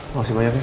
makasih banyak ya